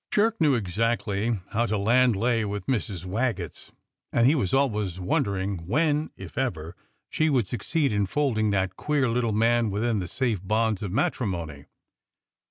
Jerk knew exactly how the land lay with Mrs. Wag getts, and he was always wondering when (if ever) she would succeed in folding that queer little man within the safe bonds of matrimony.